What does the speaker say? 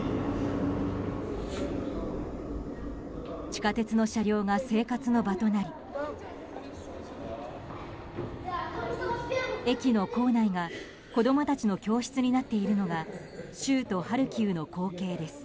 地下鉄の車両が生活の場となり駅の構内が子供たちの教室になっているのが州都ハルキウの光景です。